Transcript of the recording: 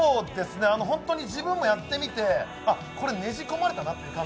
自分もやってみて、これねじ込まれたなって。